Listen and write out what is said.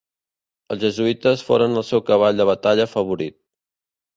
Els jesuïtes foren el seu cavall de batalla favorit.